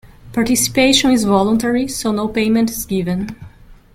Participation is voluntary, so no payment is given.